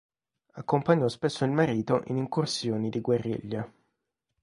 Accompagnò spesso il marito in incursioni di guerriglia.